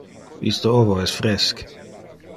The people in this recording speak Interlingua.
Iste ovo es fresc.